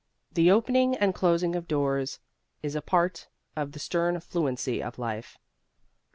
The opening and closing of doors is a part of the stern fluency of life.